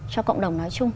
cho cộng đồng nói chung